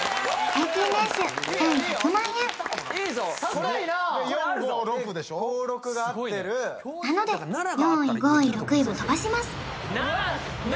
平均年収１１００万円高いなあで４５６でしょ・５６が合ってるなので４位５位６位はとばします７！